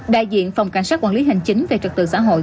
đại diện phòng cảnh sát quản lý hành chính về trật tự xã hội